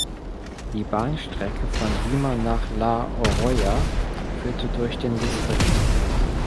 Die Bahnstrecke von Lima nach La Oroya führt durch den Distrikt.